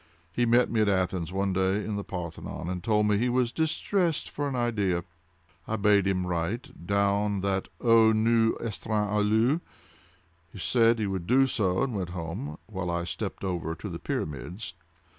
He met me at Athens, one day, in the Parthenon, and told me he was distressed for an idea. I bade him write, down that δ υοῦς εστιν αυλος. He said that he would do so, and went home, while I stepped over to the pyramids.